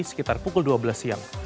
sekitar pukul dua belas siang